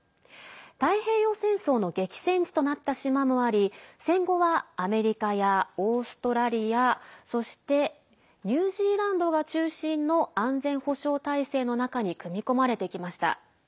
太平洋戦争の激戦地となった島もあり戦後はアメリカやオーストラリアそしてニュージーランドが中心の安全保障体制の中に組み込まれてきました。